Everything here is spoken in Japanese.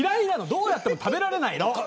どうやっても食べられないの。